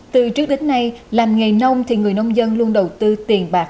từ trước đến nay làm nghề nông thì người nông dân luôn đầu tư tiền bạc